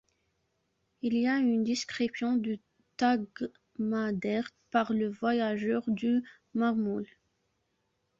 Il y a une description de Tagmadert par le voyageur du Marmol.